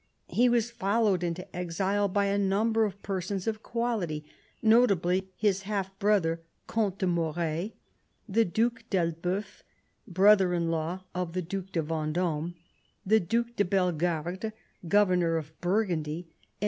He was followed into exile by a number of persons of quality, notably his half brother the Comte de Moret, the Due d'Elbeuf, brother in law of the Due de Venddme, the Due de Bellegarde, governor of Burgundy, and M.